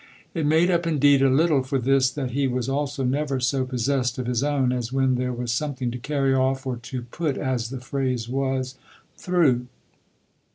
It made up indeed a little for this that he was also never so possessed of his own as when there was something to carry off or to put, as the phrase was, through.